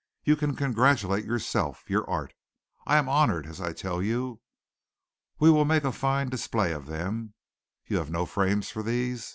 "You can congratulate yourself your art. I am honored, as I tell you. We will make a fine display of them. You have no frames for these?